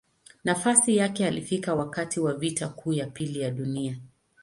Nafasi yake alifika wakati wa Vita Kuu ya Pili ya Dunia.